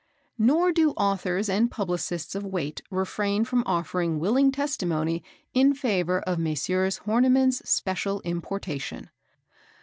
Nor do authors and publicists of weight refrain from offering willing testimony in favour of Messrs. Horniman's special importation.